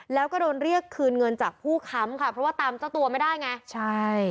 แล้วก็โดนเรียกคืนเงินจากผู้ค้ำค่ะเพราะว่าตามเจ้าตัวไม่ได้ไงใช่